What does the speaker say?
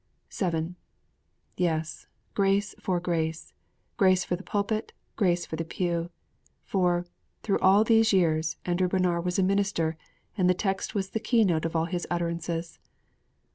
_' VII Yes, grace for grace! Grace for the pulpit and grace for the pew!' For, through all these years, Andrew Bonar was a minister, and the text was the keynote of all his utterances.